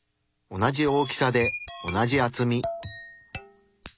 同じ大きさで同じ厚み。